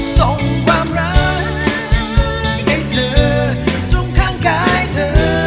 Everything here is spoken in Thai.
ส่งความรักให้เธอตรงข้างกายเธอ